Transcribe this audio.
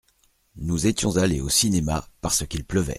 Nous étions allés au cinéma parce qu’il pleuvait.